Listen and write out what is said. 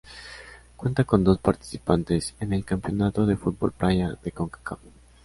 Cuenta con dos participaciones en el Campeonato de Fútbol Playa de Concacaf.